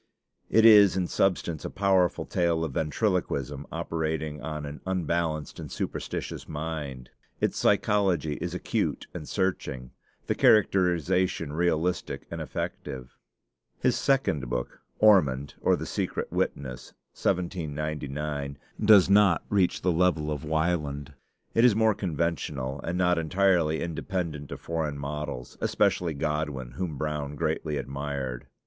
It is in substance a powerful tale of ventriloquism operating on an unbalanced and superstitious mind. Its psychology is acute and searching; the characterization realistic and effective. His second book, 'Ormond: or the Secret Witness' (1799), does not reach the level of 'Wieland.' It is more conventional, and not entirely independent of foreign models, especially Godwin, whom Brown greatly admired.